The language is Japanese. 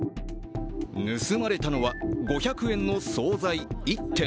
盗まれたのは５００円の総菜１点。